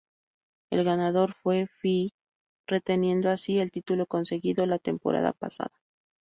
El ganador fue Fiyi reteniendo así el título conseguido la temporada pasada.